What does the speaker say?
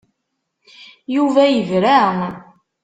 Yuba yebra.